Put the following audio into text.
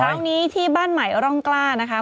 คราวนี้ที่บ้านใหม่ร่องกล้านะคะ